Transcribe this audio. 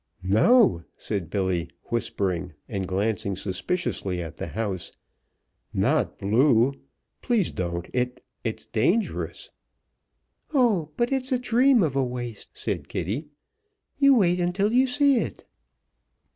"No!" said Billy, whispering, and glancing suspiciously at the house. "Not blue! Please don't! It it's dangerous." "Oh, but it is a dream of a waist!" said Kitty. "You wait until you see it."